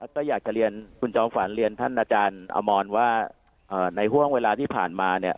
ก็อยากจะเรียนคุณจอมฝันเรียนท่านอาจารย์อมรว่าในห่วงเวลาที่ผ่านมาเนี่ย